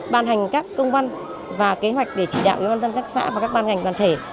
ban hành các công văn và kế hoạch để chỉ đạo với bản thân các xã và các ban ngành toàn thể